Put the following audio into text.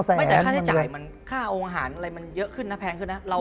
ไม่แต่ค่าใช้จ่ายมันค่าองค์อาหารอะไรมันเยอะขึ้นนะแพงขึ้นนะ